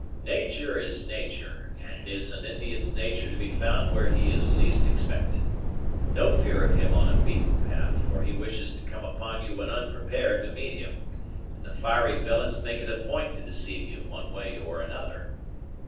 "Natur' is natur', and it is an Indian's natur' to be found where he is least expected. No fear of him on a beaten path; for he wishes to come upon you when unprepared to meet him, and the fiery villains make it a point to deceive you, one way or another.